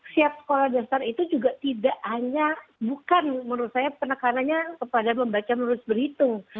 siap sekolah dasar itu juga tidak hanya bukan menurut saya penekanannya kepada membaca menurus berhitung